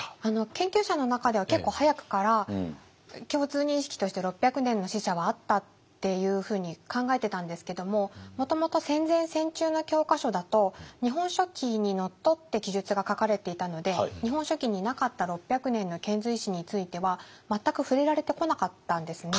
研究者の中では結構早くから共通認識として６００年の使者はあったっていうふうに考えてたんですけどももともと戦前戦中の教科書だと「日本書紀」にのっとって記述が書かれていたので「日本書紀」になかった６００年の遣隋使については全く触れられてこなかったんですね。